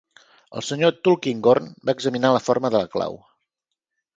El senyor Tulkinghorn va examinar la forma de la clau.